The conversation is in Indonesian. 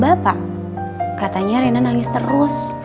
bapak katanya rina nangis terus